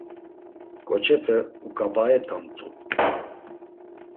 Ǩoçepe uǩabaet̆amt̆u.